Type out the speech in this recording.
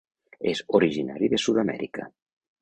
És originari de Sud-amèrica.